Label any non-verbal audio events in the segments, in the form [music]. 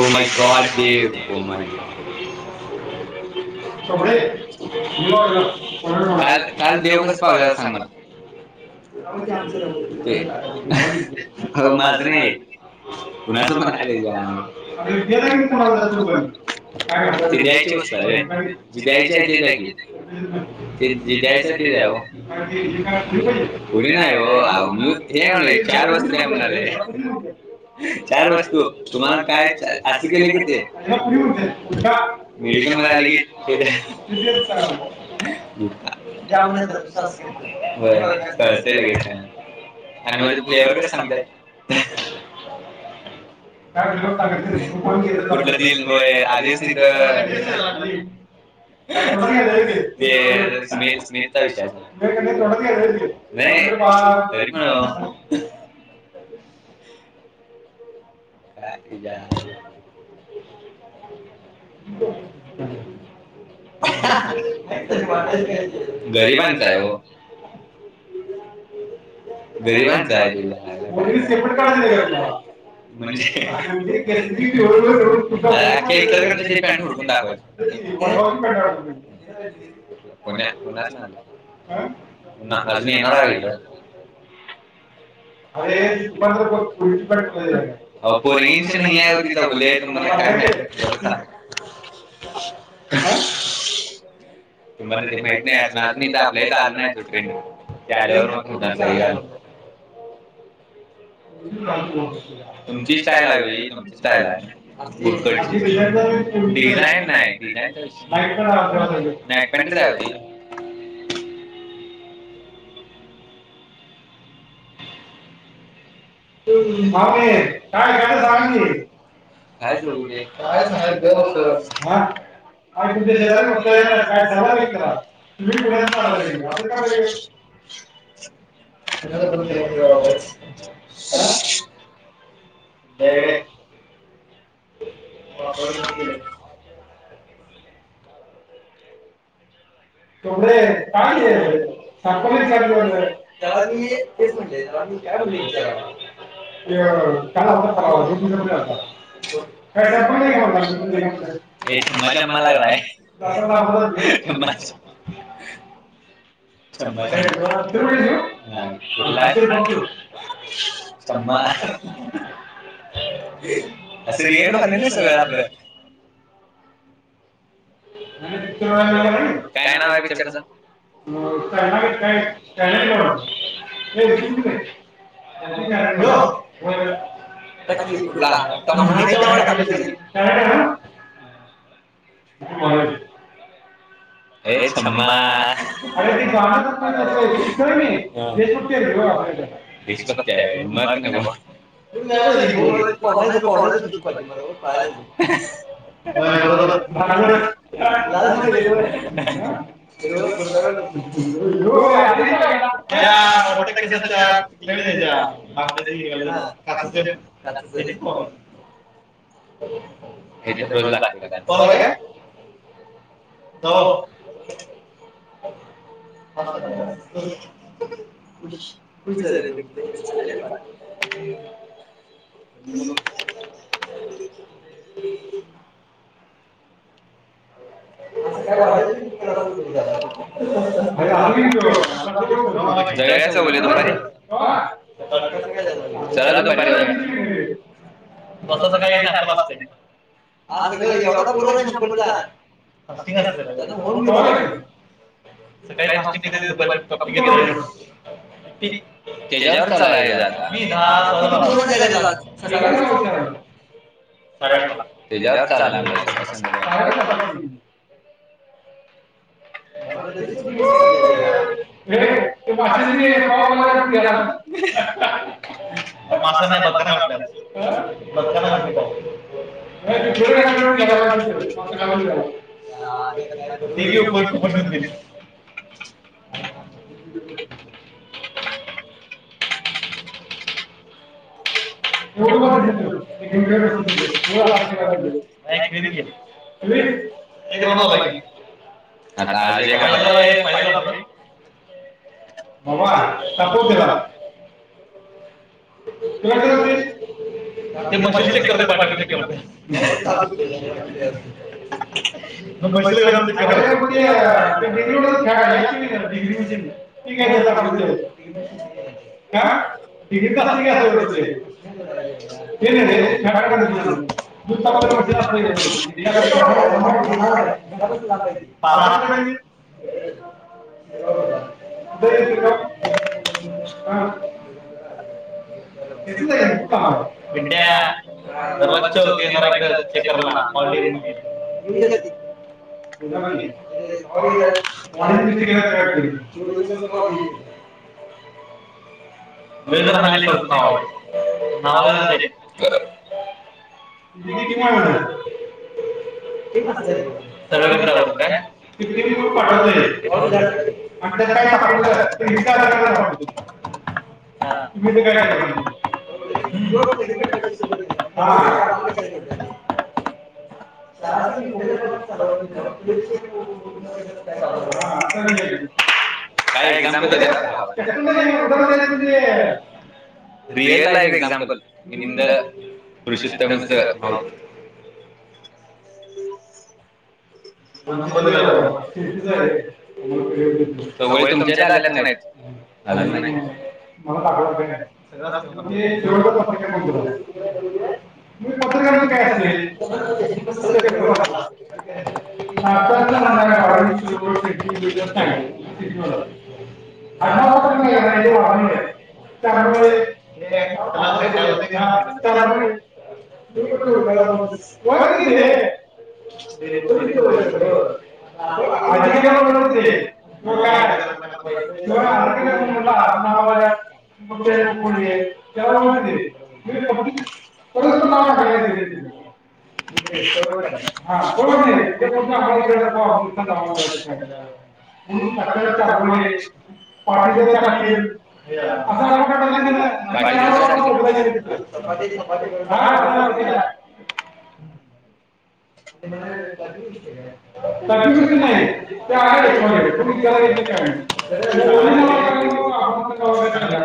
O my god oh my God [unintelligible] [unintelligible] काल काल देव कस पावलं सांग मला हो माझ नाही कुणाच मणा [unintelligible] ती द्यायची वस्तू हाय वय. ज द्यायचे आहे ते द्याकी जे द्यायचं आहे ते द्या हो कुणी नाही हो मी चार वस्तू द्या म्हणालोय चार वस्तू तुम्हाला काय असे केले कि ते [unintelligible] मेडिकल मध्ये आले की [unintelligible] होय कळते लगेच ते आणि माझ फ्लेवर कसे सांगते कुठलं आधीच तिथ ते स्मेल स्मेलचा विषया तरी पण [unintelligible] [unintelligible] कातेजा [unintelligible] [unintelligible] गरिबांचा आहे हो. गरिबांच आहे म्हणजे इतचे का पॅन्ट हुडकून दाखवायचेण्या कोण्याच ना अजून येणार आहे व [unintelligible] अरे पोरगींची नाही ओ ती चौगुले आहे तुम्हाला काय माहित गप बसा का [unintelligible] तुम्हाला ते माहीत नाही अजून अजून हीथ आपल्याहीथ आलं नाही तो ट्रेंड ते आल्यावर मग आल [unintelligible] तुमची स्टाईल आहे तुमची स्टाईल आहे फटकटची डिझाईन नाही डिझाईनच्या विषय [unintelligible] नाॅईट पॅनटच आहे ती माम काय काय सांगाय कायच काय सगर अस तुमच्या शेजारी फक्तगय तुम्ही कठच का [unintelligible] ह. बगडे [unintelligible] हती [unintelligible] ह त काणगला [unintelligible] असे रियल खाले नाही सगळं आपलं. [unintelligible] ब [unintelligible] [unintelligible] [unintelligible] ह हे तर रोज लागते का कोला का जाव अ खुश झाले ते ले का दुपारी चला दुपारी तस का संप असते असं ग एवढा पूर्व संपण जा सकाळी फवर चायवर चाय सका ह माश पाला मासा नाही मगकाना म्हटले मगकाना म्हट पाऊ तिकडेच्या घ्या पतील [inaudible] आता आज एक फानल आहे फायनला भा बाबा त कला तुला कळत नाही? ते मश चेक करतंय [unintelligible] चेक करतंय. [inaudible] [inaudible] ते नाही ते ते [inaudible] [inaudible] पिंट्या [inaudible] चेक करायला इकडं [inaudible] [unintelligible] नावाय झाले. [inaudible] तेजी एक टीम हाय वाटतं. सर्वेत सापडतंय काय? [unintelligible] पाठवतय आणि त्यात काय सापडलं, तर इथल्या अधिकाऱ्याला सांगतोय. तुम्ही तर काय करणार हे मग? [unintelligible] हा. का एक्झामपल देणार का? [unintelligible] Real life example in the Purushottam असं स होय तुमच्यात आल्यात का नाहीत? पत्रकारांचं काय असतं य? [inaudible] [inaudible] [inaudible] [unintelligible] मग काय? शिवाय अधिकारी म्हणून होतं आडनावानं. [unintelligible] त्यामुळं दिली. तुम्ही परत परस्पर नाव टाकला का नाय तिथं? [unintelligible] [inaudible] टाकलं नाही. पाठीला टाकेल, असा अर्थ टाकला तिनं. [inaudible] नाय रे. साधी मिरची नाही ते आहे ठोंग्या कोणी विचारायचं सुद्धा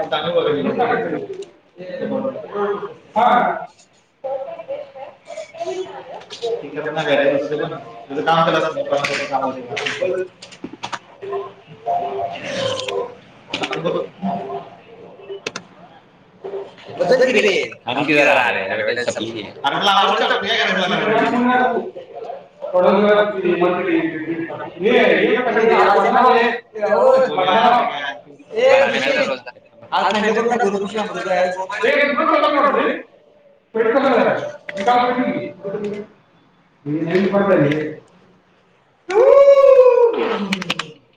नाही. [inaudible] [inaudible] तुझ काम केलास नव्हे बंद करून टाकतो [inaudible] बदल की रे. आमचे जरा अरे एडव्हटाइज संपली की. आर त्याला आवडत्या [unintelligible] [unintelligible] [inaudible] हे नाही [unintelligible] ह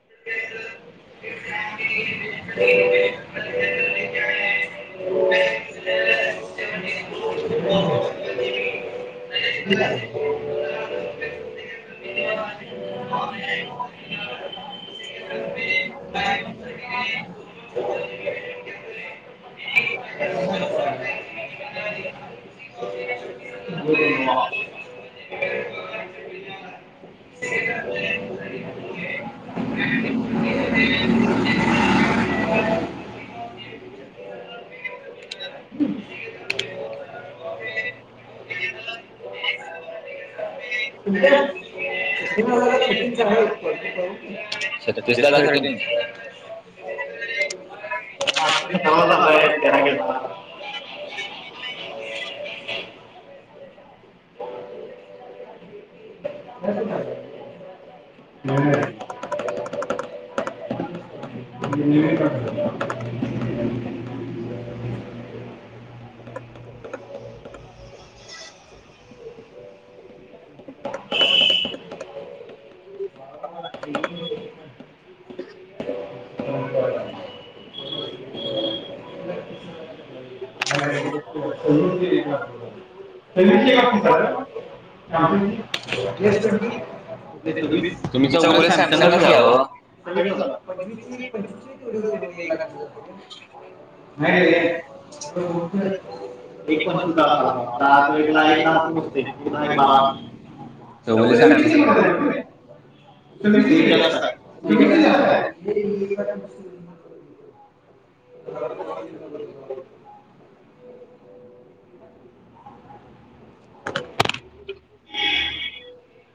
हो ब [inaudible] ते [inaudible] [unintelligible] [unintelligible] बोलना [unintelligible] [inaudible] [unintelligible] [unintelligible] छत्तीस लाखा सारखी हो [unintelligible] [inaudible] हम् रिकामा ऑडिओ [inaudible] रिकामा ऑडिओ रिकामा ऑडिओ रिकामा ऑडिओ [inaudible] रिकामा ऑडिओ [inaudible] [unintelligible] रिकामा ऑडिओ [inaudible] चौगुले [unintelligible] [inaudible] [inaudible] [unintelligible]